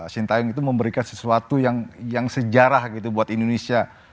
sintayong itu memberikan sesuatu yang sejarah gitu buat indonesia